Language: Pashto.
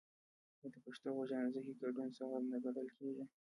آیا د پښتنو په جنازه کې ګډون ثواب نه ګڼل کیږي؟